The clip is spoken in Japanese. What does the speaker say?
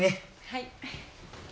はい。